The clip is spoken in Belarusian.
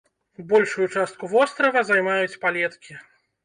Большую частку вострава займаюць палеткі.